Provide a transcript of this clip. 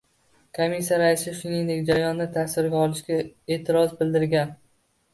Komissiya raisi, shuningdek, jarayonni tasvirga olishga e'tiroz bildirgan